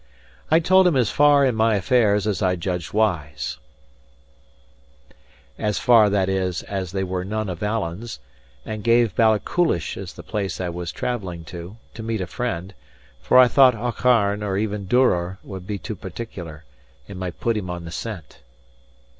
I told him as far in my affairs as I judged wise; as far, that is, as they were none of Alan's; and gave Balachulish as the place I was travelling to, to meet a friend; for I thought Aucharn, or even Duror, would be too particular, and might put him on the scent.